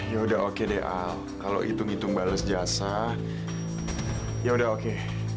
ya udah oke deh al kalau hitung hitung bales jasa ya udah oke